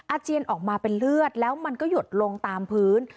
เจียนออกมาเป็นเลือดแล้วมันก็หยดลงตามพื้น